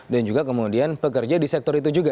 dan juga kemudian pekerja di sektor itu juga